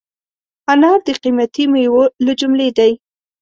انار د قیمتي مېوو له جملې دی.